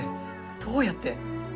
どうやって？